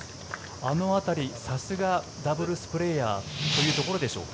あの辺りさすがダブルスプレーヤーというところでしょうか。